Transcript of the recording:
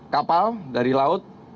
kapal dari laut